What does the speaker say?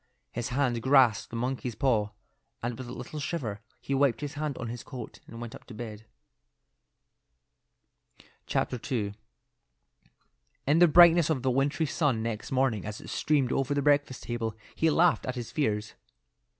His hand grasped the monkey's paw, and with a little shiver he wiped his hand on his coat and went up to bed. II. In the brightness of the wintry sun next morning as it streamed over the breakfast table he laughed at his fears.